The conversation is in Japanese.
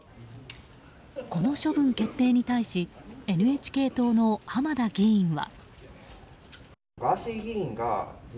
この決定に対しＮＨＫ党の浜田議員は。